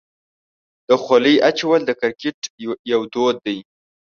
د خولۍ اچول د کرکټ یو دود دی.